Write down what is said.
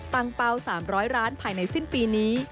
ตังป่าว๓๐๐ร้านภายในสิ้นปีนี้